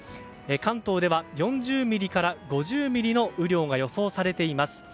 関東では４０ミリから５０ミリの雨量が予想されています。